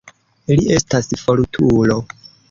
Li estas fortulo.